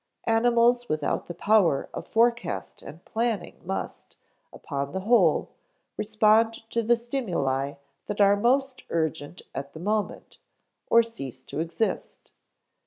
Animals without the power of forecast and planning must, upon the whole, respond to the stimuli that are most urgent at the moment, or cease to exist.